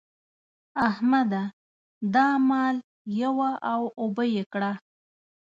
احمده! دا مال یوه او اوبه يې کړه.